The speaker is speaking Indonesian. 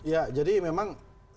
ya jadi memang